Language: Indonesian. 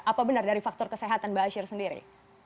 apa benar dari faktor kesehatan baasyir sendiri